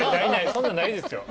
そんなのないですよ。